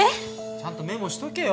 ちゃんとメモしとけよ